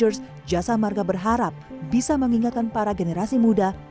program road safety rangers jasa marga berharap bisa mengingatkan para generasi muda